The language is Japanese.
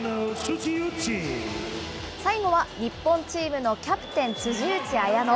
最後は、日本チームのキャプテン、辻内彩野。